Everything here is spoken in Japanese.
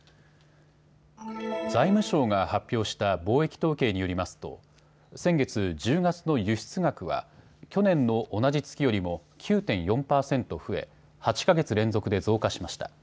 財務省が発表した貿易統計によりますと先月１０月の輸出額は去年の同じ月よりも９．４％増え８か月連続で増加しました。